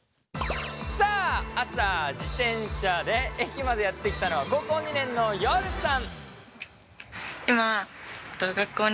さあ朝自転車で駅までやって来たのは高校２年のヨルさん。